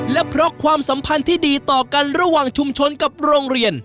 และเพราะความสัมพันธ์ที่ดีต่อกันระหว่างชุมชนกับโรงเรียน